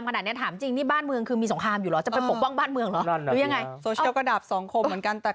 มันถึงเป็นการตอบย้ำให้เราคุยกันว่า